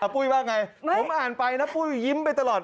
ปุ้ยว่าไงผมอ่านไปนะปุ้ยยิ้มไปตลอด